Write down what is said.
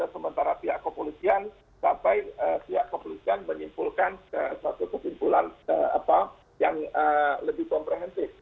sementara pihak kepolisian menyimpulkan kesimpulan yang lebih komprehensif